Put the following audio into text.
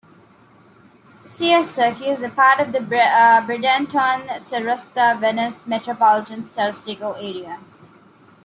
Siesta Key is part of the Bradenton-Sarasota-Venice Metropolitan Statistical Area.